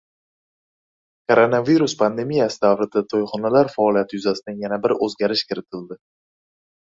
Koronavirus pandemiyasi davrida to‘yxonalar faoliyati yuzasidan yana bir o‘zgarish kiritildi